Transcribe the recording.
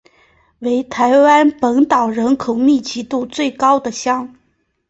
为台湾本岛人口密度最高的乡。